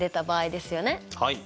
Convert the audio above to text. はい。